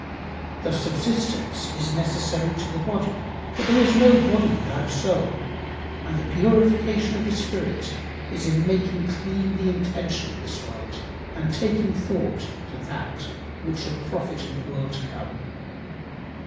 Thus subsistence is necessary to the body, but there is no body without soul; and the purification of the spirit is in making clean the intention in this world and taking thought to that which shall profit in the world to come.